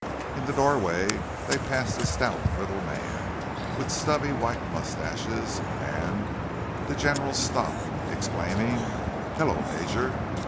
In the doorway they passed a stout little man with stubby white moustaches, and the General stopped, exclaiming, "Hello, Major!"